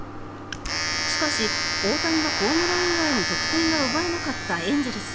しかし、大谷のホームラン以外に得点が奪えなかったエンゼルス。